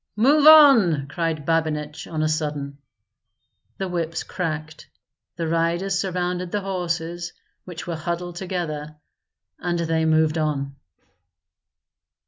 "Move on!" cried Babinich, on a sudden. The whips cracked; the riders surrounded the horses, which were huddled together, and they moved on.